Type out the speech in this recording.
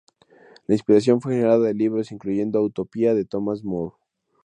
La inspiración fue generada de libros, incluyendo a "Utopía" de Thomas More.